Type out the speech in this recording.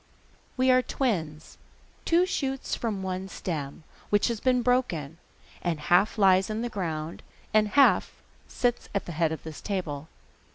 'We are twins, two shoots from one stem, which has been broken, and half lies in the ground and half sits at the head of this table.